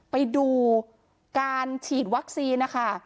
ไปดูการฉีดวัคซีนนะคะ